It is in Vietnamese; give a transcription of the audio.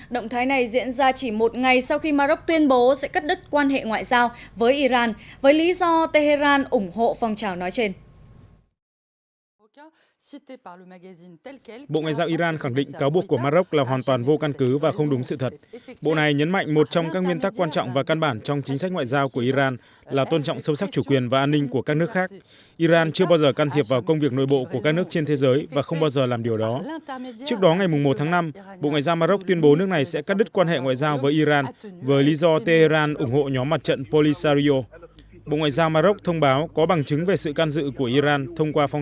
động thái này diễn ra chỉ một ngày sau khi maroc tuyên bố sẽ cất đứt quan hệ ngoại giao với iran với lý do tehran ủng hộ phong trào nói trên